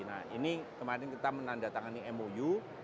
nah ini kemarin kita menandatangani mou